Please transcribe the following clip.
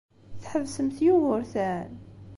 Tḥebsemt Yugurten?